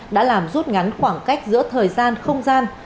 đã làm rút ngắn khoảng cách giữa thời gian không gian